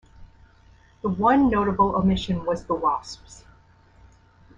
The one notable omission was the Wasps.